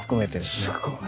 すごい。